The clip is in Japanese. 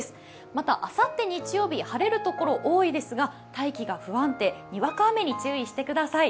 またあさって日曜日、晴れる所多いですが、大気が不安定にわか雨に注意してください。